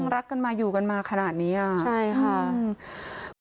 รักกันมาอยู่กันมาขนาดนี้อ่ะใช่ค่ะ